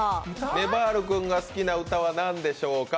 ねばる君の好きな歌は何でしょうか。